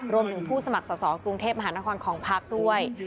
รวมถึงผู้สมัครสอบกรุงเทพมหานครของพักด้วย